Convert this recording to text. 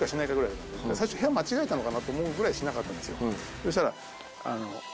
そしたら。